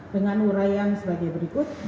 dengan uraian sebagai berikut